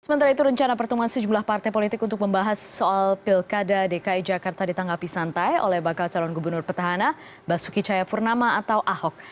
sementara itu rencana pertemuan sejumlah partai politik untuk membahas soal pilkada dki jakarta ditanggapi santai oleh bakal calon gubernur petahana basuki cahayapurnama atau ahok